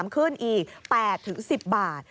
ขึ้นอีก๘๑๐บาท